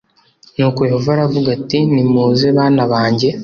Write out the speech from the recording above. Nuko yehova aravuga ati nimuze banabange